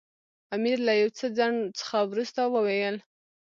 امیر له یو څه ځنډ څخه وروسته وویل.